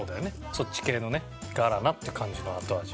そっち系のねガラナって感じの後味。